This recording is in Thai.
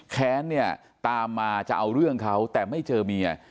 แค้นเนี่ยตามมาจะเอาเรื่องเขาแต่ไม่เจอเมีย